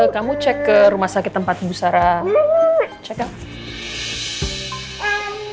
kamu cek ke rumah sakit tempat ibu sarah cekal